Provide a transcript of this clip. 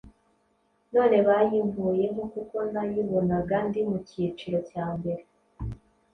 none bayinkuyeho kuko nayibonaga ndi mu cyiciro cya mbere